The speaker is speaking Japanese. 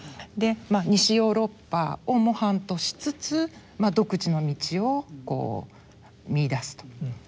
西ヨーロッパを模範としつつ独自の道を見いだすと。